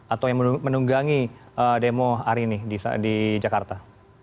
atau yang menunggangi demo hari ini di jakarta